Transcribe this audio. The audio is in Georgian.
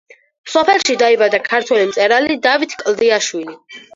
სოფელში დაიბადა ქართველი მწერალი დავით კლდიაშვილი.